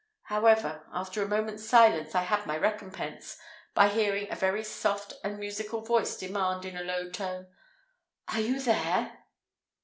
However, after a moment's silence I had my recompense, by hearing a very soft and musical voice demand, in a low tone, "Are you there?"